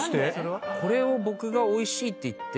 これを僕がおいしいって言って。